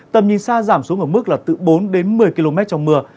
tầm nhìn xa giảm xuống ở mức là từ bốn đến một mươi km trong mưa